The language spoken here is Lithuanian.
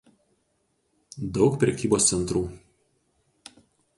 Daug prekybos centrų.